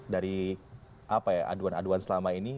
dari aduan aduan selama ini